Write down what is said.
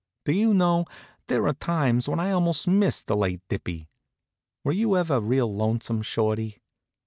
Do you know, there are times when I almost miss the late Dippy. Were you ever real lonesome, Shorty?"